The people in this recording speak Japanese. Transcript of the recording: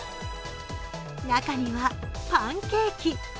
中にはパンケーキ。